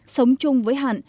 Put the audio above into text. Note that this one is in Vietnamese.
sống chung với hạn